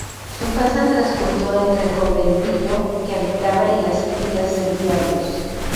Su infancia transcurrió entre el conventillo que habitaba y las pilas de diarios.